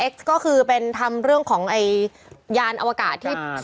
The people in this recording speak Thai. ก็ก็คือเป็นท่านเรื่องของที่ยานอวกาศที่ส่งคนธรรมดา